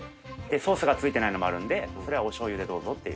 ソースが付いてないのもあるんでそれはおしょうゆでどうぞって。